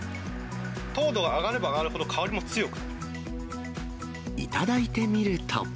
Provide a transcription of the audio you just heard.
糖度が上がれば上がるほど香りも頂いてみると。